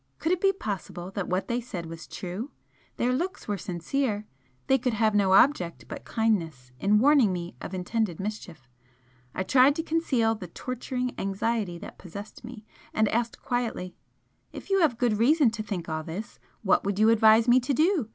Could it be possible that what they said was true? Their looks were sincere, they could have no object but kindness in warning me of intended mischief. I tried to conceal the torturing anxiety that possessed me, and asked quietly "If you have good reason to think all this, what would you advise me to do?